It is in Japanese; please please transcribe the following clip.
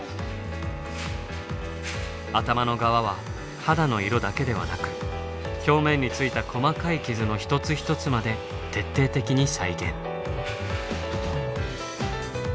頭の側は肌の色だけではなく表面についた細かい傷の一つ一つまで徹底的に再現。